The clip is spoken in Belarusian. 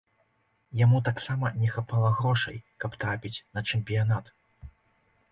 Яму таксама не хапала грошай, каб трапіць на чэмпіянат.